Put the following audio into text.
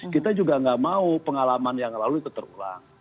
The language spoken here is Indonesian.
kita juga nggak mau pengalaman yang lalu itu terulang